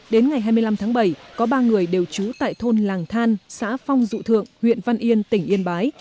đến ngày hai mươi năm tháng bảy có ba người đều trú tại thôn làng than xã phong dụ thượng huyện văn yên tỉnh yên bái